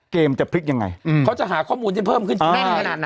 จะพลิกยังไงเขาจะหาข้อมูลที่เพิ่มขึ้นแน่นขนาดไหน